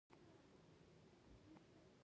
غم او ښادي یوه ده کور او ګور مو دواړه یو دي